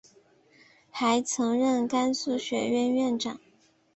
还曾任甘肃学院院长。